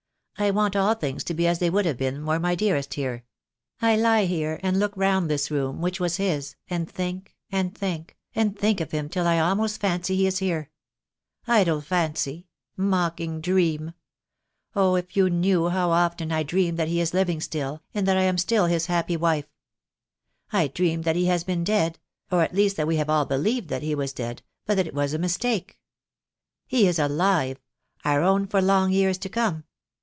I want all things to be as they would have been were my dearest here. I lie here and look round this room, which was his, and think and think, and think of him till I almost fancy he is here. Idle fancy! Mocking dream! Oh! if you knew THE DAY WILL COME. 20,1 how often I dream that he is living still, and that I am still his happy wife. I dream that he has been dead — or at least that we have all believed that he was dead — but that it was a mistake. He is alive; our own for long years to come.